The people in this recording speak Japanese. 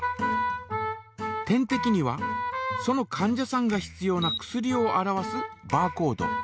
点てきにはそのかん者さんが必要な薬を表すバーコード。